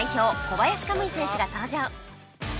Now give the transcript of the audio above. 小林可夢偉選手が登場